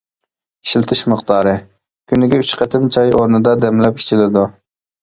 ئىشلىتىش مىقدارى: كۈنىگە ئۈچ قېتىم چاي ئورنىدا دەملەپ ئىچىلىدۇ.